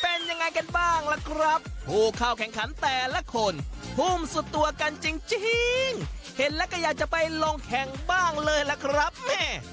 เป็นยังไงกันบ้างล่ะครับผู้เข้าแข่งขันแต่ละคนภูมิสุดตัวกันจริงเห็นแล้วก็อยากจะไปลงแข่งบ้างเลยล่ะครับแม่